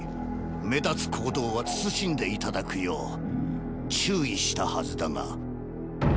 目立つ行動は慎んで頂くよう注意したはずだが。